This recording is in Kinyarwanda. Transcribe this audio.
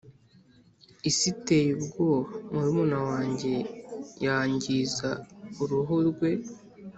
isi iteye ubwoba murumuna wanjye yangiza uruhu rwe.